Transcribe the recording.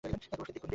তুরস্কের দিক থেকে?